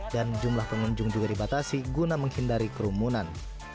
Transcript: dan jumlah pengunjung juga dibatasi guna menghindari kerumunan